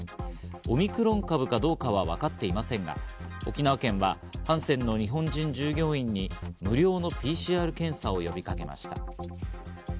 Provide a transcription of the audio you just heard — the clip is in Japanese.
オミクロン株かどうかは分かっていませんが、沖縄県はハンセンの日本人従業員に無料のＰＣＲ検査を呼びかけました。